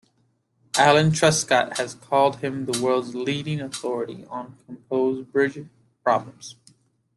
Alan Truscott has called him "the world's leading authority" on composed bridge problems.